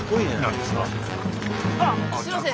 すいません。